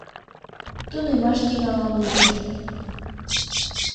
Тунемаш тӱҥалам лучо.